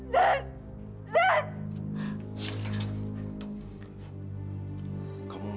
dia nggak pantas dikituin